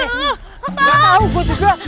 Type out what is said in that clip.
nggak tahu gue juga